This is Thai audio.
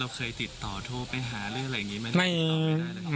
เราเคยติดต่อโทรไปหาหรืออะไรอย่างนี้